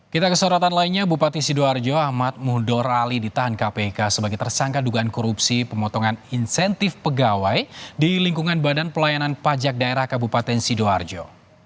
kita kesorotan lainnya bupati sidoarjo ahmad mudorali ditahan kpk sebagai tersangka dugaan korupsi pemotongan insentif pegawai di lingkungan badan pelayanan pajak daerah kabupaten sidoarjo